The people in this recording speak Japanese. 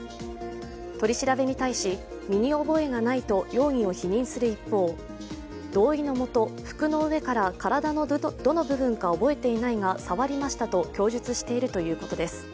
取り調べに対し、身に覚えがないと容疑を否認する一方同意の下、服の上から体のどの部分か覚えていないが触りましたと供述しているということです。